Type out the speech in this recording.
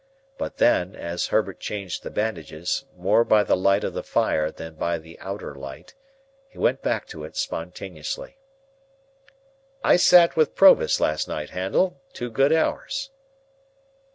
But then, as Herbert changed the bandages, more by the light of the fire than by the outer light, he went back to it spontaneously. "I sat with Provis last night, Handel, two good hours."